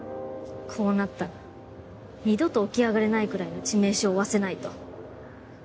こうなったら二度と起き上がれないくらいの致命傷負わせないと。